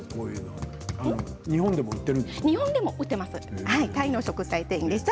日本でも売っているんですか？